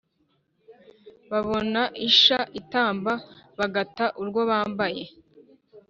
Babona isha itamba bagata urwo bambaye.